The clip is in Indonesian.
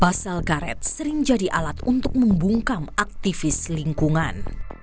basel karet sering jadi alat untuk membungkam aktivis lingkungan